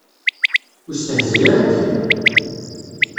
Ur stehzay ara akken!